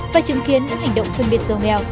và chứng kiến những hành động phân biệt giàu nghèo